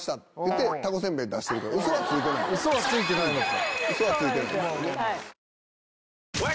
嘘はついてないのか。